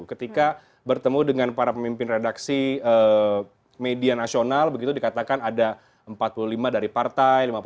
ketika bertemu dengan para pemimpin redaksi media nasional begitu dikatakan ada empat puluh lima dari partai